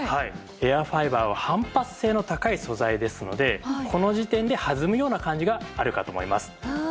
エアファイバーは反発性の高い素材ですのでこの時点で弾むような感じがあるかと思います。